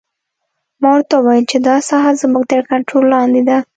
ما ورته وویل چې دا ساحه زموږ تر کنترول لاندې ده